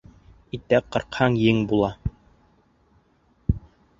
Итәк ҡырҡһаң ең була.